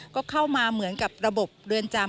ก็เข้ามาเหมือนกับระบบเรือนจำ